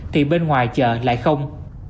thì bên ngoài chợ lại không